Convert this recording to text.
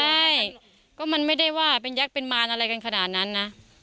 ใช่ก็มันไม่ได้ว่าเป็นยักษ์เป็นมารอะไรกันขนาดนั้นนะ